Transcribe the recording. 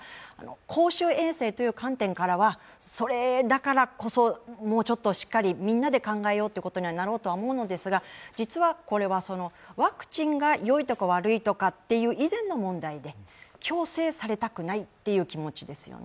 公衆衛生という観点からは、それだからこそ、もうちょっとしっかりみんなで考えようっていうことになろうとは思うのですが実はこれはワクチンがよいとか悪いとか以前の問題で強制されたくないという気持ちですよね。